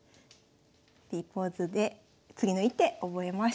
Ｐポーズで次の一手覚えましょう。